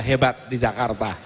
hebat di jakarta